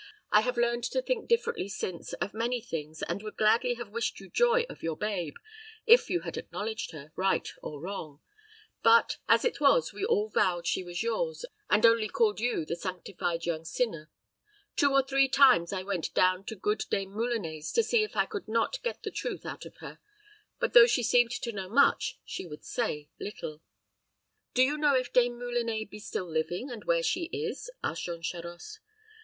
I have learned to think differently since of many things, and would gladly have wished you joy of your babe, if you had acknowledged her, right or wrong; but, as it was, we all vowed she was yours, and only called you the sanctified young sinner. Two or three times I went down to good Dame Moulinet's to see if I could not get the truth out of her; but; though she seemed to know much, she would say little." "Do you know if Dame Moulinet be still living, and where she is?" asked Jean Charost.